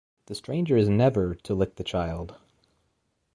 The stranger is never to lick the child.